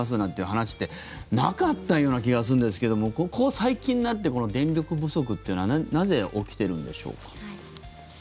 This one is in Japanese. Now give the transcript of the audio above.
話ってなかったような気がするんですがここ最近になってこの電力不足というのはなぜ起きてるんでしょうか。